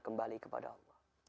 kembali kepada allah